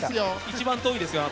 一番遠いですよ